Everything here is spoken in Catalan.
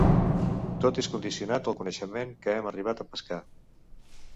Tot és condicionat al coneixement que hem arribat a pescar.